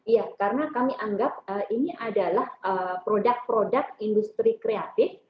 ya karena kami anggap ini adalah produk produk industri kreatif